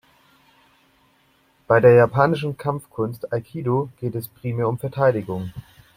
Bei der japanischen Kampfkunst Aikido geht es primär um Verteidigung.